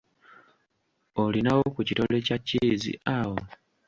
Olinawo ku kitole kya cheese awo?